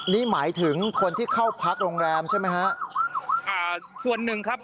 นี่หมายถึงคนที่เข้าพักโรงแรมใช่ไหมฮะอ่าส่วนหนึ่งครับ